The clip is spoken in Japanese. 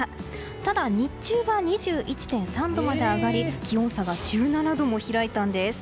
ただ、日中は２１．３度まで上がり気温差が１７度も開いたんです。